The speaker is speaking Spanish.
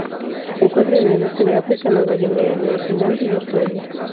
Se encuentran en el este de África, Nueva Guinea, Nueva Zelanda y Australia.